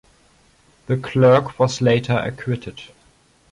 The clerk was later acquitted.